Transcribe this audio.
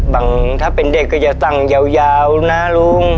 บางถ้าเป็นเด็กก็จะสั่งยาวนะลุง